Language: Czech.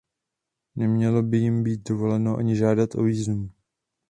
Nemělo by jim být dovoleno ani žádat o vízum.